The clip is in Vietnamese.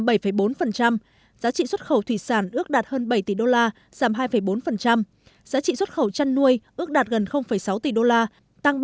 giá trị xuất khẩu thủy sản ước đạt hơn bảy tỷ đô la giảm hai bốn giá trị xuất khẩu chăn nuôi ước đạt gần sáu tỷ đô la tăng ba